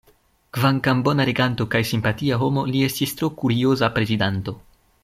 Kvankam bona reganto kaj simpatia homo, li estis tro kurioza prezidanto.